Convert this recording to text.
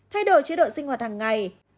thay đổi chế độ sinh hoạt hàng ngày